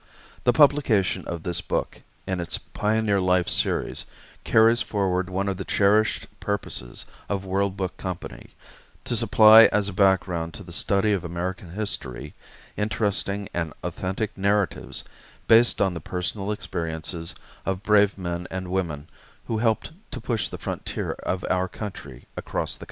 The publication of this book in its Pioneer Life Series carries forward one of the cherished purposes of World Book Company to supply as a background to the study of American history interesting and authentic narratives based on the personal experiences of brave men and women who helped to push the frontier of our country across the continent.